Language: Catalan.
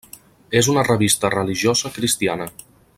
És una revista religiosa cristiana.